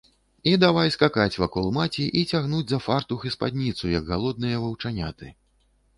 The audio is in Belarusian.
І давай скакаць вакол маці і цягнуць за фартух і спадніцу, як галодныя ваўчаняты.